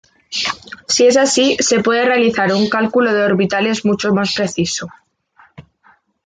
Si es así, se puede realizar un cálculo de orbitales mucho más preciso.